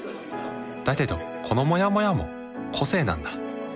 だけどこのモヤモヤも個性なんだ。